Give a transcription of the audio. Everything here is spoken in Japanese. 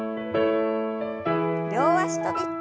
両脚跳び。